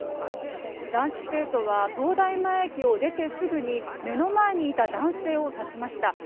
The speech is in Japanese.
男子生徒は東大前駅を出てすぐに目の前にいた男性を刺しました。